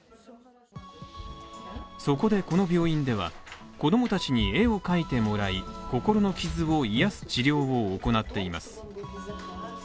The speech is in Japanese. そこでこの病院では、子供たちに絵を描いてもらい、心の傷を癒す治療を行っています。